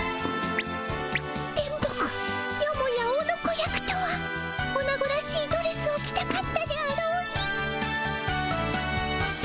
電ボ子よもやオノコ役とはオナゴらしいドレスを着たかったであろうに。